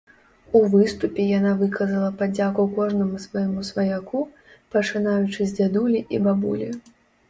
У выступе яна выказала падзяку кожнаму свайму сваяку, пачынаючы з дзядулі і бабулі.